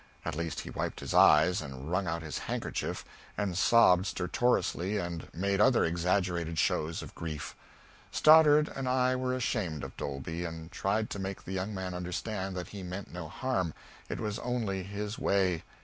At least he wiped his eyes and wrung out his handkerchief, and sobbed stertorously and made other exaggerated shows of grief. Stoddard and I were ashamed of Dolby, and tried to make the young man understand that he meant no harm, it was only his way.